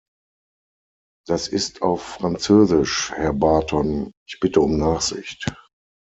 Das ist auf französisch, Herr Barton, ich bitte um Nachsicht.